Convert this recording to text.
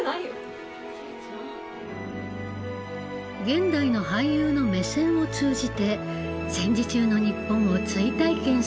現代の俳優の目線を通じて戦時中の日本を追体験する試み。